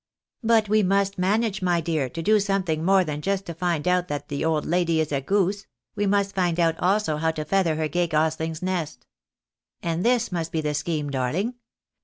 " But we must manage, my dear, to do something more than just to find out that de old lady is a goose, we must find out also how to feather her gay gosling's nest. And this must be the scheme, darling.